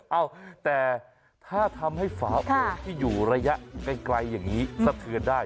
เอ้าแต่ถ้าทำให้ฝาโอ่งที่อยู่ระยะไกลอย่างนี้สะเทือนได้